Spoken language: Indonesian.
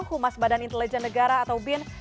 humas badan intelijen negara atau bin